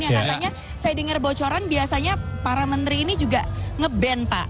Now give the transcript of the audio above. yang katanya saya dengar bocoran biasanya para menteri ini juga nge ban pak